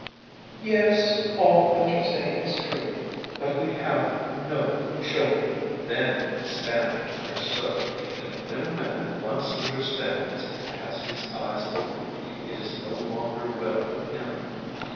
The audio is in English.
'Yes, all that you say is true, but we have no children.' Then Stan understood, and when a man once understands and has his eyes opened it is no longer well with him.